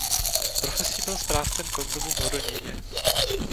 Profesí byl správcem konzumu v Hodoníně.